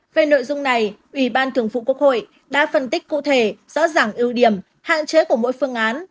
về nội dung này ủy ban thường vụ quốc hội đã phân tích cụ thể rõ ràng ưu điểm hạn chế của mỗi phương án